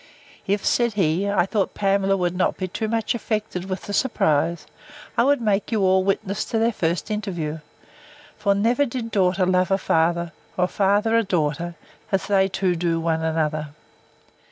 If, said he, I thought Pamela would not be too much affected with the surprise, I would make you all witness to their first interview; for never did daughter love a father, or a father a daughter, as they two do one another.